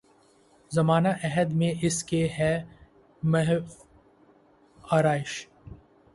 زمانہ عہد میں اس کے ہے محو آرایش